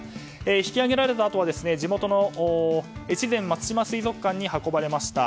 引き揚げられたあとは地元の越前松島水族館に運ばれました。